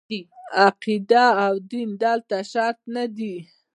عقیده او دین دلته شرط نه دي.